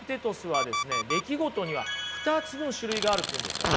出来事には２つの種類があると言うんですよ。